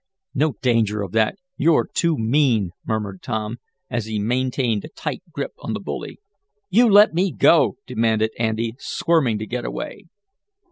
"No danger of that; you're too mean," murmured Tom, as he maintained a tight grip on the bully. "You let me go!" demanded Andy, squirming to get away.